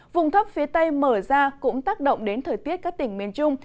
vùng thấp phía tây mở ra cũng tác động đến thời tiết các tỉnh miền trung